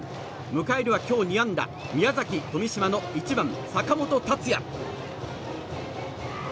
迎えるは今日２安打宮崎・富島の１番、坂本竜哉。